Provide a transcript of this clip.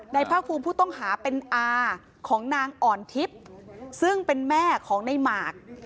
ภาคภูมิผู้ต้องหาเป็นอาของนางอ่อนทิพย์ซึ่งเป็นแม่ของในหมาก